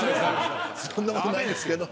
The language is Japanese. そんなことないですけど。